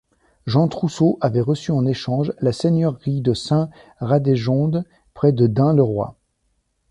Jean Trousseau avait reçu en échange la seigneurie de Saint-Radegonde près de Dun-le-Roy.